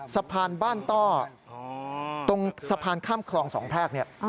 สะพานบ้านโต้สะพานข้ามคลองสองแพร่ก